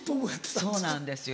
そうなんですよ。